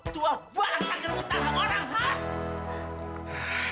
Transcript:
tua banget kaget mutalah orang pak